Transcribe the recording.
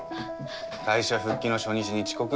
会社復帰の初日に遅刻？